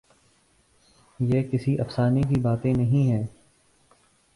یہ کسی افسانے کی باتیں نہیں ہیں۔